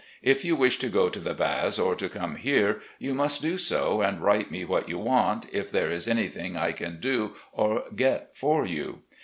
If you wish to go to the Baths, or to come here, you must do so and write me what you want, if there is anything I can do or get for you.